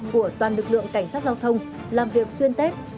của toàn lực lượng cảnh sát giao thông làm việc xuyên tết